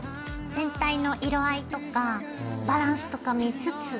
全体の色合いとかバランスとか見つつ。